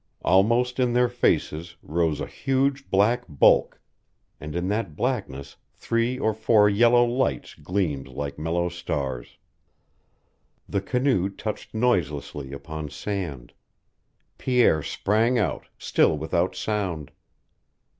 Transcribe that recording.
Almost in their faces rose a huge black bulk, and in that blackness three or four yellow lights gleamed like mellow stars. The canoe touched noiselessly upon sand. Pierre sprang out, still without sound.